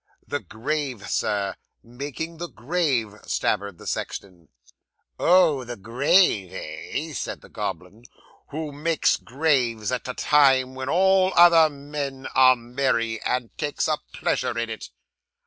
'"The grave, Sir; making the grave," stammered the sexton. '"Oh, the grave, eh?" said the goblin; "who makes graves at a time when all other men are merry, and takes a pleasure in it?"